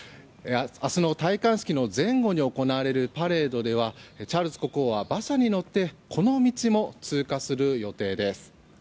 明日の戴冠式の前後に行われるパレードではチャールズ国王は馬車に乗って、この道も通過する予定です。